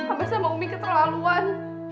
abah sama umi keterlaluan